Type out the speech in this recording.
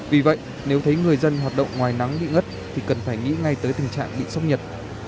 vì vậy nếu thấy người dân hoạt động ngoài nắng bị ngất thì cần phải nghĩ ngay tới tình trạng bị sốc nhiệt